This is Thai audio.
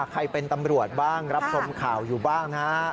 ใครเป็นตำรวจบ้างรับชมข่าวอยู่บ้างนะฮะ